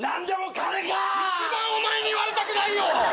一番お前に言われたくないよ！